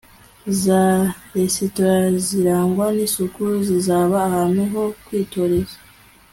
za resitora zirangwa nisuku zizaba ahantu ho kwitoreza